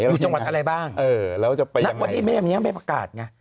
อยู่จังหวัดอะไรบ้างณวันนี้แม่มันยังไม่ประกาศไง